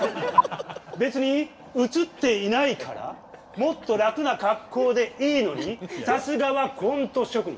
別に映っていないからもっと楽な格好でいいのにさすがはコント職人。